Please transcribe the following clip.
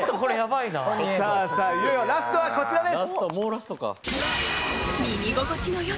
いよいよラストはこちらです。